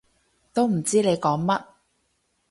都唔知你講乜